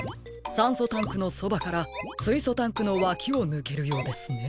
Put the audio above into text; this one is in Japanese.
さんそタンクのそばからすいそタンクのわきをぬけるようですね。